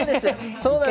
そうなんです。